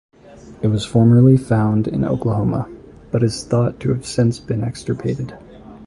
It was formerly found in Oklahoma, but is thought to have since been extirpated.